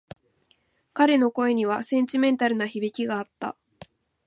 彼の声にはセンチメンタルな響きがあった。